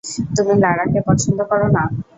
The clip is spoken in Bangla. তুমি লারা কে পছন্দ কর না?